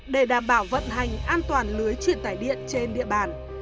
để đảm bảo vận hành an toàn lưới truyền tải điện trên địa bàn